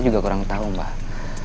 gak tau mbak